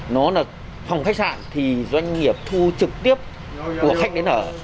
nó là phòng khách sạn thì doanh nghiệp thu trực tiếp của khách đến ở